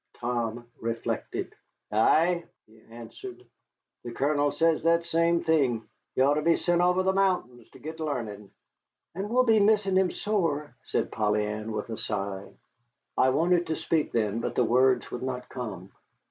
Tom reflected. "Ay," he answered, "the Colonel says that same thing. He oughter be sent over the mountain to git l'arnin'." "And we'll be missing him sore," said Polly Ann, with a sigh. I wanted to speak then, but the words would not come.